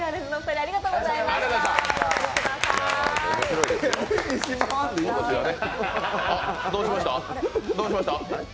あ、どうしました？